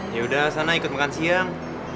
yaudah sana ikut makan siang